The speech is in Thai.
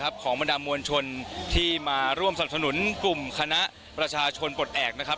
ของบรรดามวลชนที่มาร่วมสนับสนุนกลุ่มคณะประชาชนปลดแอบนะครับ